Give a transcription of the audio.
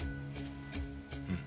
うん。